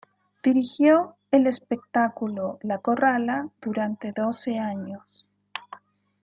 Dirigió el espectáculo La Corrala durante doce años.